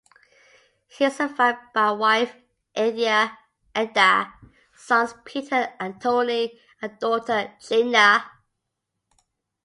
He is survived by wife Edye, sons Peter and Tony, and daughter Gina.